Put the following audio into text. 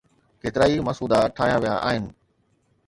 ڪيترائي مسودا ٺاهيا ويا آهن.